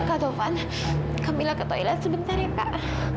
kak taufan kamilah ke toilet sebentar ya kak